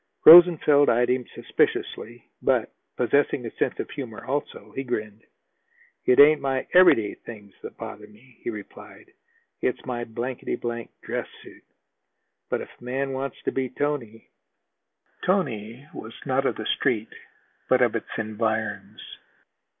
Rosenfeld eyed him suspiciously, but, possessing a sense of humor also, he grinned. "It ain't my everyday things that bother me," he replied. "It's my blankety blank dress suit. But if a man wants to be tony " "Tony" was not of the Street, but of its environs.